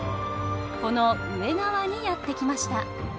この上側にやって来ました。